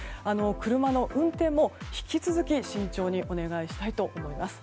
車の運転も引き続き慎重にお願いしたいと思います。